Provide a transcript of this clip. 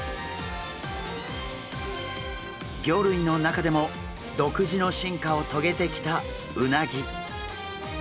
魚類の中でも独自の進化を遂げてきたうなぎ。